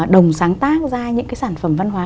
đồng sáng tác ra những cái sản phẩm văn hóa